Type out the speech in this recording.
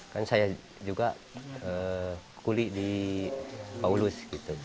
kan saya juga kulih di pak ulus